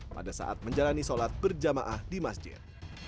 pada saat menjalani sholat berjamaah di masjid